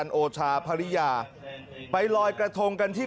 พร้อมพบุริยาและคณะเอิิร์ดคมตรี